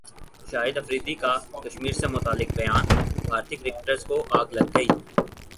شاہد افریدی کا کشمیر سے متعلق بیانبھارتی کرکٹرز کو اگ لگ گئی